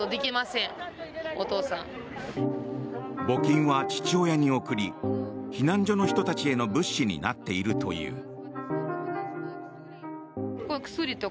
募金は父親に送り避難所の人たちへの物資になっているという。